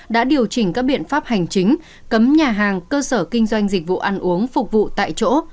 đã điều chỉnh các biện pháp hành chính cấm nhà hàng cơ sở kinh doanh dịch vụ ăn uống phục vụ tại chỗ